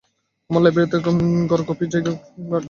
আমার লাইব্রেরি ঘর কফি খাবার কিংবা আড্ডা দেবার জায়গা নয়।